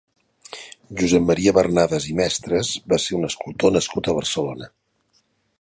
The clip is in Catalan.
Josep Maria Barnadas i Mestres va ser un escultor nascut a Barcelona.